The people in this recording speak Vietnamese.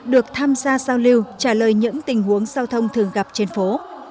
được tham gia giao lưu trả lời những tình huống giao thông thường gặp trên phố